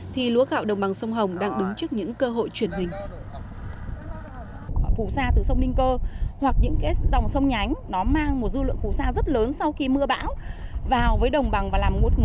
thì lúa gạo đồng bằng sông hồng đang đứng trước những cơ hội truyền hình